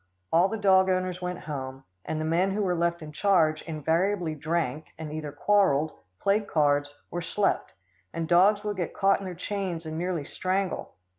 All the dog owners went home, and the men who were left in charge, invariably drank and either quarrelled, played cards or slept, and dogs would get caught in their chains and nearly strangle.